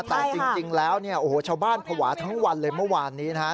แต่จริงแล้วเนี่ยโอ้โหชาวบ้านภาวะทั้งวันเลยเมื่อวานนี้นะฮะ